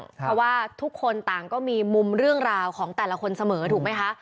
เพราะว่าทุกคนต่างก็มีมุมเรื่องราวของแต่ละคนเสมอถูกไหมคะ